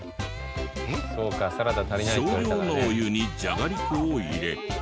少量のお湯にじゃがりこを入れ。